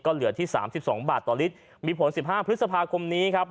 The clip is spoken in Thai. ก็เหลือที่๓๒บาทต่อลิตรมีผล๑๕พฤษภาคมนี้ครับ